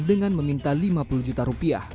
dengan meminta lima puluh juta rupiah